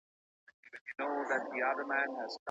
که د ملاریا ضد پشه خانې وویشل سي، نو د ملاریا ناروغي نه خپریږي.